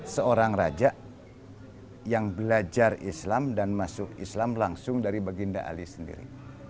seorang raja yang belajar islam dan masuk islam langsung dari baginda ali sendiri